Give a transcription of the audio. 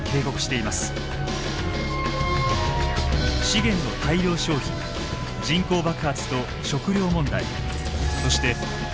資源の大量消費人口爆発と食料問題そして加速する温暖化。